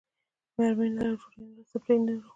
مرمۍ نه لرو، ډوډۍ نه لرو، څپلۍ نه لرو.